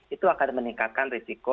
itu akan meningkatkan risiko